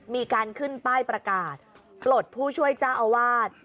มีการขึ้นป้ายประกาศปลดผู้ช่วยเจ้าอาวาส